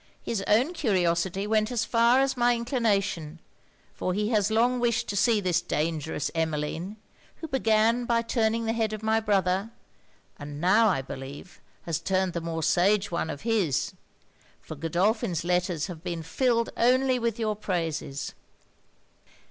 His own curiosity went as far as my inclination; for he has long wished to see this dangerous Emmeline; who began by turning the head of my brother, and now I believe has turned the more sage one of his for Godolphin's letters have been filled only with your praises.'